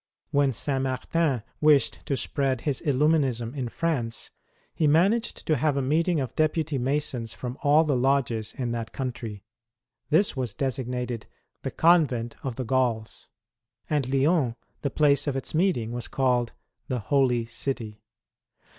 When 36 WAR OF ANTICHRIST WITH THE CHURCH. Saint Martin wished to spread his llluminism in France, he managed to have a meeting of deputy Masons from all the lodges in that country. This was designated the " Convent of the Gauls ;" and Lyons the place of its meeting was called " The Holy City."